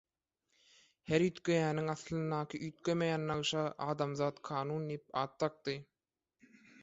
Her üýtgeýäniň aslyndaky üýtgemeýän nagyşa adamzat kanun diýip at dakdy.